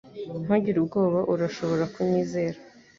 Ntugire ubwoba Urashobora kunyizera